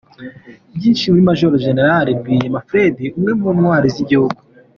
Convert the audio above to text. Byinshi kuri Major General Rwigema Fred umwe mu Ntwari z’igihugu .